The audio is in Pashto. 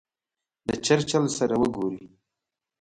د چرچل سره وګوري.